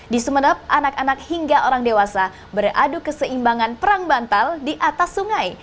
di sumeneb anak anak hingga orang dewasa beradu keseimbangan perang bantal di atas sungai